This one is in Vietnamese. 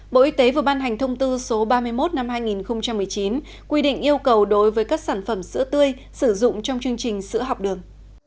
bộ y tế vừa ban hành thông tư số ba mươi một năm hai nghìn một mươi chín quy định yêu cầu đối với các sản phẩm sữa tươi sử dụng trong chương trình sữa học đường